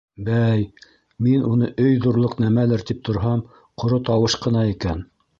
— Бәй, мин уны өй ҙурлыҡ нәмәлер тип торһам, ҡоро тауыш ҡына икән.